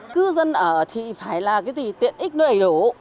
cư dân ở thì phải là cái gì tiện ích nó đầy đủ